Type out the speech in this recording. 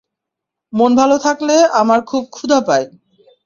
মন ভালো থাকলে আমার খুব ক্ষুধা পায়।